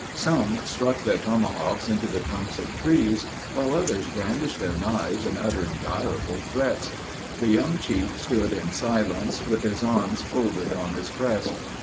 Some struck their tomahawks into the trunks of trees, while others brandished their knives, and uttered direful threats. The young chief stood in silence, with his arms folded on his breast.